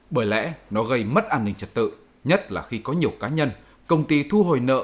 bởi lẽ nó gây mất an ninh trật tự nhất là khi có nhiều cá nhân công ty thu hồi nợ